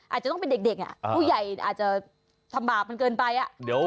อาจจะต้องเป็นเด็กอ่ะผู้ใหญ่อาจจะทำบาปมันเกินไป